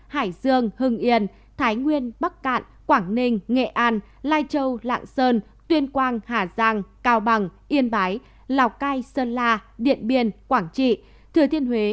hải dương hưng yên thái nguyên bắc cạn quảng ninh nghệ an lai châu lạng sơn tuyên quang hà giang cao bằng yên bái lào cai sơn la điện biên quảng trị thừa thiên huế